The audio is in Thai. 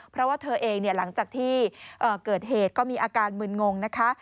เพราะว่าเธอเองหลังจากที่เกิดเหตุก็มีอาการมึนงงนะคะ